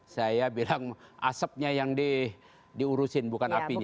saya bilang asapnya yang diurusin bukan apinya